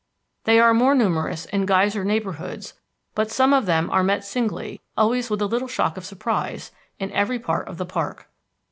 They are more numerous in geyser neighborhoods, but some of them are met singly, always with a little shock of surprise, in every part of the park.